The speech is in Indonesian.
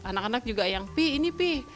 anak anak juga yang pih ini pih